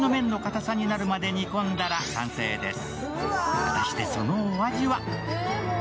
果たして、そのお味は？